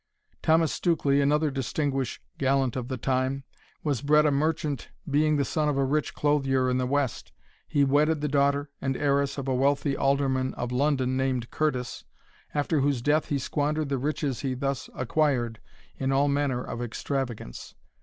Thomas Stukely, another distinguished gallant of the time, was bred a merchant, being the son of a rich clothier in the west. He wedded the daughter and heiress of a wealthy alderman of London, named Curtis, after whose death he squandered the riches he thus acquired in all manner of extravagance.